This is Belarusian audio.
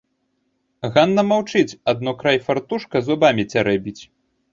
Ганна маўчыць, адно край фартушка зубамі цярэбіць.